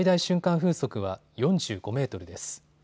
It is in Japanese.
風速は４５メートルです。